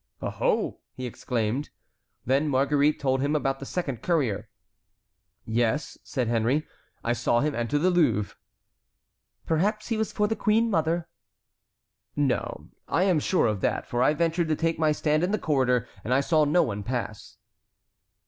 "Oh! oh!" he exclaimed. Then Marguerite told him about the second courier. "Yes," said Henry; "I saw him enter the Louvre." "Perhaps he was for the queen mother." "No, I am sure of that, for I ventured to take my stand in the corridor, and I saw no one pass."